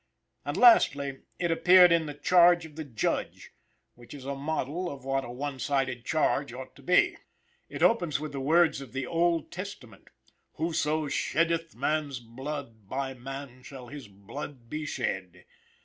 And, lastly, it appeared in the charge of the Judge, which is a model of what a one sided charge ought to be. It opens with the words of the Old Testament: "Whoso sheddeth man's blood, by man shall his blood be shed."